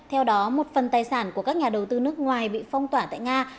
theo đó một phần tài sản của các nhà đầu tư nước ngoài bị phong tỏa tại nga